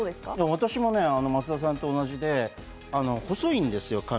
私も松田さんと同じで、髪が細いんですよ。